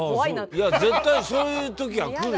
いや絶対そういう時は来るよ。